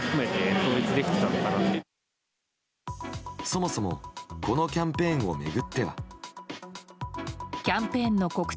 そもそもこのキャンペーンを巡っては。